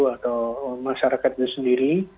atau masyarakat itu sendiri